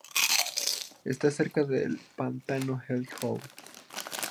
Está cerca del Pantano Hell Hole.